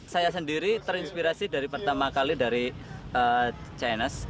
saya sendiri terinspirasi dari pertama kali dari chinese